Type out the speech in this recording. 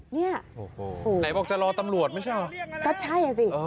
เนี่ยโอ้โหไหนบอกจะรอตำรวจไม่ใช่เหรอก็ใช่อ่ะสิ